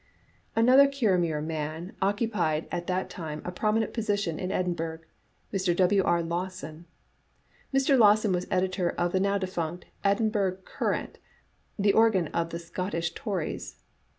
Another Kirriemuir man occupied at that time a prominent position in Edinburgh, Mr. W. R. Lawson. Mr. Lawson was editor of the now defunct Edinburgh <:ourant, the organ of the Scottish Tories.